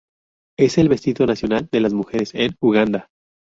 Es el vestido nacional de las mujeres en Uganda.